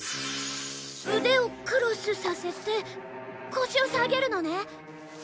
腕をクロスさせて腰を下げるのね！